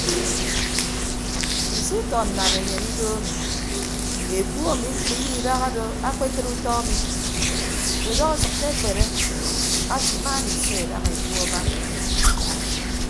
Nso utọ nnanenyen ido ami ekpu ami mkpiye idahado akpetịd utọ ami udọ asịkke akpere ate imaana ise daña ekpu aba.